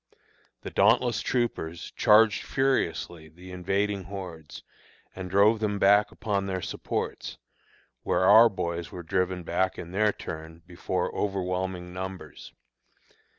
The dauntless troopers charged furiously the invading hordes, and drove them back upon their supports, where our boys were driven back in their turn before overwhelming numbers.